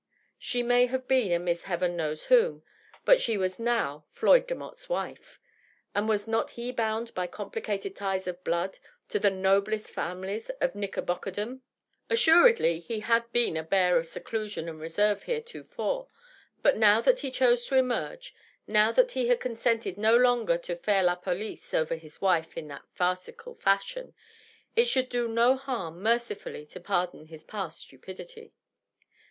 She may have been a Miss Heaven knows wnom, but she was now Floyd Demotte's wife, and was not he bound by complicated ties of blood to the noblest families of Knickerbockerdom? Assuredly he had been a bear of seclusion DOUGLAS DUANE. 591 and reserve heretofore, but now that he chose to emerge, now that he had consented no longer to /aire la police over his wife in that farcical &shion, it could do no harm mercifully to pardon his past stupidity.